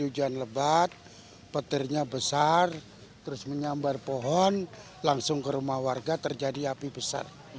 hujan lebat petirnya besar terus menyambar pohon langsung ke rumah warga terjadi api besar